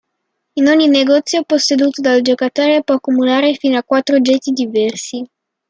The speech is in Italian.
Ogni negozio posseduto dal giocatore può accumulare fino a quattro oggetti diversi.